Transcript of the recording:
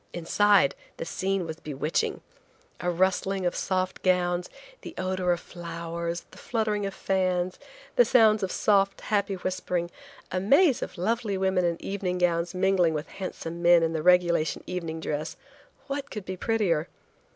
Inside, the scene was bewitching. A rustling of soft gowns, the odor of flowers, the fluttering of fans, the sounds of soft, happy whispering, a maze of lovely women in evening gowns mingling with handsome men in the regulation evening dress–what could be prettier?